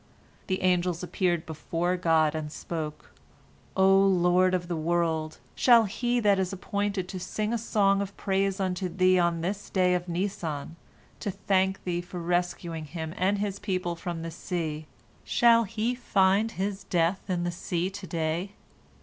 The angels appeared before God, and spoke: "O Lord of the world, shall he that is appointed to sing a song of praise unto Thee on this day of Nisan, to thank Thee for rescuing him and his people from the sea, shall he find his death in the sea to day?"